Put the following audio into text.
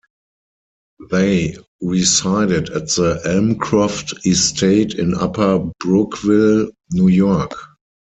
They resided at the Elmcroft Estate in Upper Brookville, New York.